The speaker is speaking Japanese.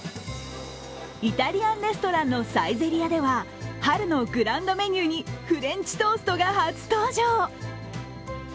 イタリアンレストランのサイゼリヤでは春のグランドメニューにフレンチトーストが初登場。